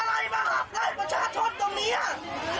บอกมติของคณะกรรมการวัดไม่ให้ขายแล้วนะฮะ